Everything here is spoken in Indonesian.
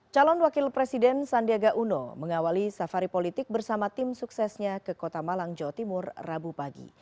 calon wakil presiden sandiaga uno mengawali safari politik bersama tim suksesnya ke kota malang jawa timur rabu pagi